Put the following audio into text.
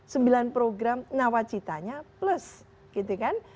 sembilan program nawacitanya plus gitu kan